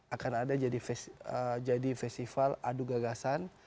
akan ada jadi festival adu gagasan